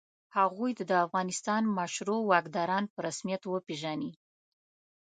هغوی دې د افغانستان مشروع واکداران په رسمیت وپېژني.